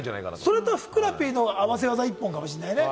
それと、ふくらＰの合わせ技１本かもしれないね。